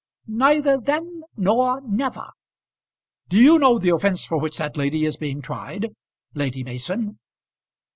"Neither then nor never." "Do you know the offence for which that lady is being tried Lady Mason?"